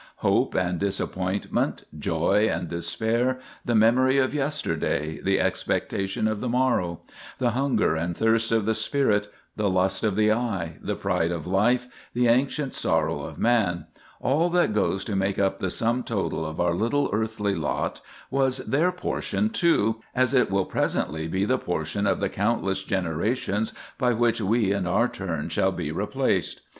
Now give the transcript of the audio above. Hope and disappointment, joy and despair; the memory of yesterday, the expectation of the morrow; the hunger and thirst of the spirit; the lust of the eye; the pride of life; the "ancient sorrow of man,"—all that goes to make up the sum total of our little earthly lot,—was their portion, too, as it will presently be the portion of the countless generations by which we in our turn shall be replaced.